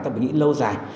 ta phải nghĩ lâu dài